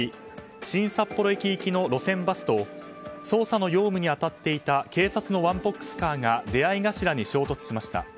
新札幌駅行きの路線バスと捜査の要務に当たっていた警察のワンボックスカーが出合い頭に衝突しました。